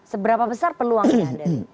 seberapa besar peluangnya